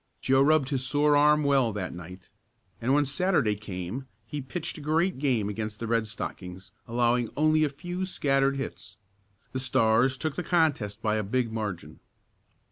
Joe rubbed his sore arm well that night, and when Saturday came he pitched a great game against the Red Stockings, allowing only a few scattered hits. The Stars took the contest by a big margin.